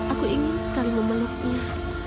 aku ingin sekali memeluknya